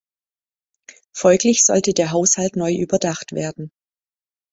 Folglich sollte der Haushalt neu überdacht werden.